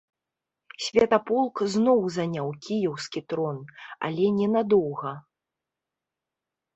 Святаполк зноў заняў кіеўскі трон, але ненадоўга.